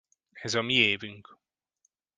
Ez a mi évünk!